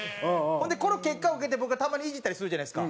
この結果を受けて、僕がたまにイジったりするじゃないですか。